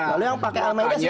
kalau yang pakai al maida siapa